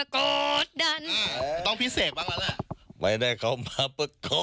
ขอดดันครับ